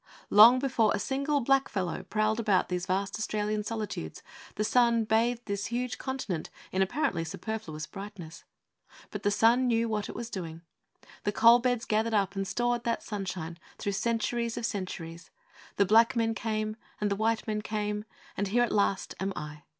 Long before a single black fellow prowled about these vast Australian solitudes, the sun bathed this huge continent in apparently superfluous brightness. But the sun knew what it was doing. The coalbeds gathered up and stored that sunshine through centuries of centuries. The black men came; and the white men came; and here at last am I!